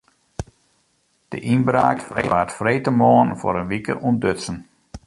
De ynbraak waard freedtemoarn foar in wike ûntdutsen.